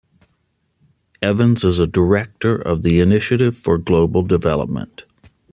Evans is a director of the Initiative for Global Development.